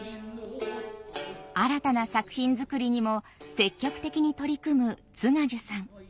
新たな作品作りにも積極的に取り組む津賀寿さん。